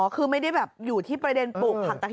อ๋อคือไม่ได้อยู่ที่ประเด็นปลูกผัก